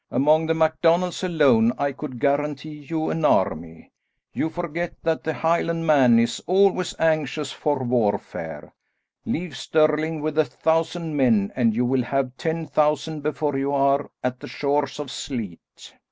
Among the MacDonalds alone I could guarantee you an army. You forget that the Highlandman is always anxious for warfare. Leave Stirling with a thousand men and you will have ten thousand before you are at the shores of Sleat."